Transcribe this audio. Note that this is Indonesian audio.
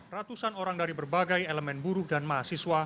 ratusan orang dari berbagai elemen buruh dan mahasiswa